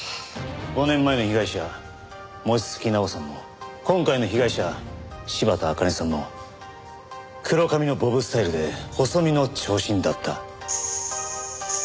５年前の被害者望月奈緒さんも今回の被害者柴田茜さんも黒髪のボブスタイルで細身の長身だった。